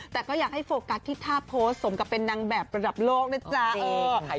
แต่ก็อยากให้โฟกัสที่ท่าโพสต์สมกับเป็นนางแบบระดับโลกนะจ๊ะ